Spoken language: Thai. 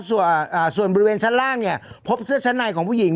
ส่วนบริเวณชั้นล่างเนี่ยพบเสื้อชั้นในของผู้หญิง